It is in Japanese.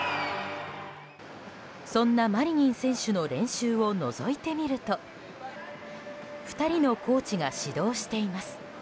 そんなマリニン選手の練習をのぞいてみると２人のコーチが指導しています。